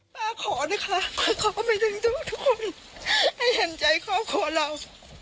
ป้าขอนะคะขอให้ทุกคนให้เห็นใจครอบครัวเรา